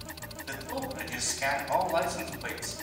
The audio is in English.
The toll bridges scan all license plates.